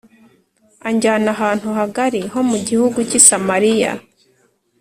Anjyana ahantu hagari ho mu gihugu cyi samariya